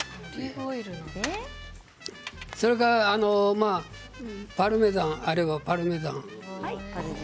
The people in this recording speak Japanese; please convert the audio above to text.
それからパルメザンがあればパルメザン。